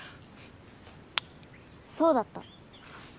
そうだった！